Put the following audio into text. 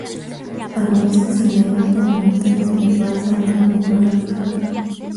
Al oeste se levanta la montaña del Bálsamo, de menor altura.